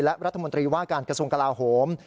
และรัฐมนตรีว่าการกระทรวงกลาโหม